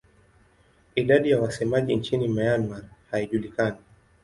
Idadi ya wasemaji nchini Myanmar haijulikani.